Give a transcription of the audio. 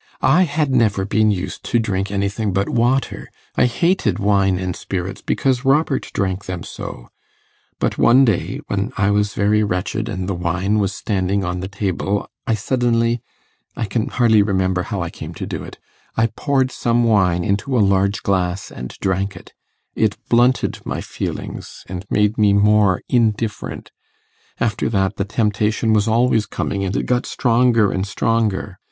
I had never been used to drink anything but water. I hated wine and spirits because Robert drank them so; but one day when I was very wretched, and the wine was standing on the table, I suddenly ... I can hardly remember how I came to do it ... I poured some wine into a large glass and drank it. It blunted my feelings, and made me more indifferent. After that, the temptation was always coming, and it got stronger and stronger.